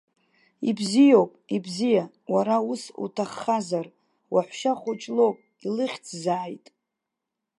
Ибзиоуп, ибзиа, уара ус уҭаххазар, уаҳәшьа хәыҷ лоуп, илыхьӡзааит.